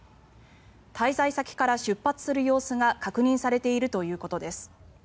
滞在先から出発する様子が確認されているということです。